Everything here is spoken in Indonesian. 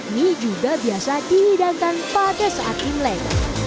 mie juga biasa dihidangkan pada saat imlek